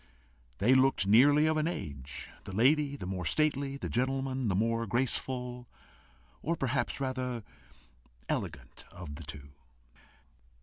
They looked nearly of an age, the lady the more stately, the gentleman the more graceful, or, perhaps rather, ELEGANT, of the two.